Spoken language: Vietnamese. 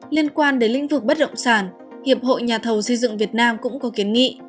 liên quan đến lĩnh vực bất động sản hiệp hội nhà thầu xây dựng việt nam cũng có kiến nghị